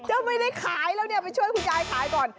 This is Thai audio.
จะไม่ได้ขายแล้วเนี่ยไปช่วยคุณยายขายก่อน